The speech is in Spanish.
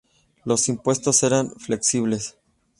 Los impuestos eran flexibles.